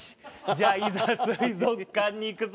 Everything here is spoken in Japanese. じゃあいざ水族館に行くぞ。